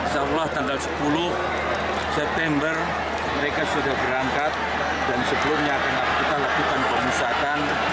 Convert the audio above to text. seolah tanggal sepuluh september mereka sudah berangkat dan sebelumnya kita lakukan pemusatan